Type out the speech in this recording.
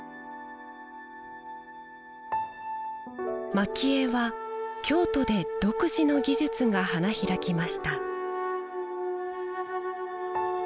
蒔絵は京都で独自の技術が花開きました